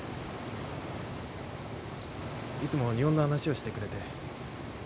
いつも日本の話をしてくれて。